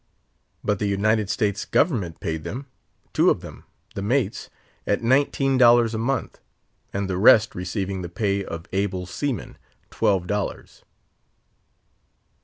But the United States government paid them; two of them (the mates) at nineteen dollars a month, and the rest receiving the pay of able seamen, twelve dollars.